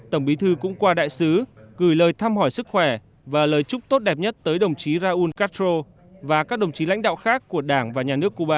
tổng bí thư cũng qua đại sứ gửi lời thăm hỏi sức khỏe và lời chúc tốt đẹp nhất tới đồng chí raúl castro và các đồng chí lãnh đạo khác của đảng và nhà nước cuba